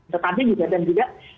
tetapi juga dan juga